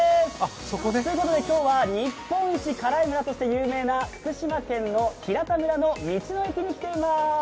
ということで今日は日本一辛い村として有名な福島県の平田村の道の駅に来ています。